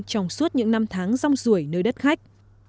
trong suốt những năm tháng rong rủi nơi đất khách